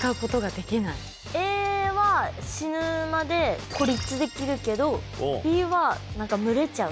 Ａは死ぬまで孤立できるけどＢは何か群れちゃう。